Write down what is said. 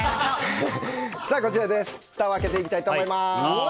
ふたを開けていきたいと思います。